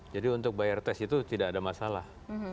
jadi untuk bayar tes itu tidak ada masalah